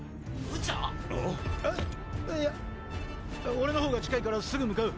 俺のほうが近いからすぐ向かう。